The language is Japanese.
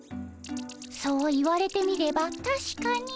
そう言われてみればたしかに。